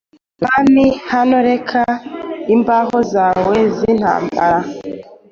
Umwami Hano reka imbaho zawe zintambara